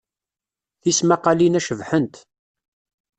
Tismaqqalin-a cebḥent.